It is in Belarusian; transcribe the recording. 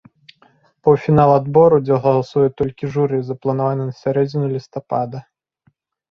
Паўфінал адбору, дзе галасуе толькі журы, запланаваны на сярэдзіну лістапада.